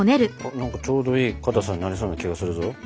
何かちょうどいいかたさになりそうな気がするぞ。